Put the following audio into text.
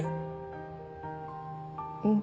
うん。